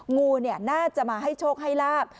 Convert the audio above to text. งูน่าจะมาให้โชคให้ลาบ